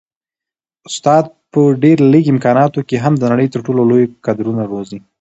استاد په ډېر لږ امکاناتو کي هم د نړۍ تر ټولو لوی کدرونه روزي.